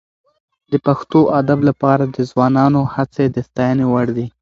د پښتو ادب لپاره د ځوانانو هڅې د ستاینې وړ دي.